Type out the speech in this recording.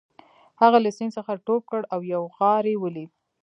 هغه له سیند څخه ټوپ کړ او یو غار یې ولید